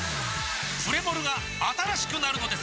プレモルが新しくなるのです！